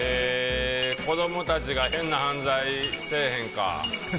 子供たちが変な犯罪せえへんか。